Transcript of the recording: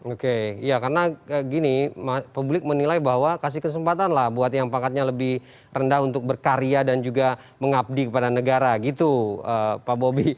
oke ya karena gini publik menilai bahwa kasih kesempatan lah buat yang pakatnya lebih rendah untuk berkarya dan juga mengabdi kepada negara gitu pak bobi